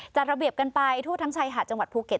จัดระเบียบกันไปทั่วทั้งชายหาดจังหวัดภูเก็ต